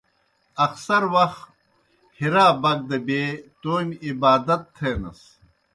اخسر وخ حرا بَک دہ بیے تومیْ عبادت تھینَس۔